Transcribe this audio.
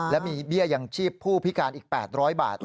และมีเบี้ยยังชีพผู้พิการอีก๘๐๐บาท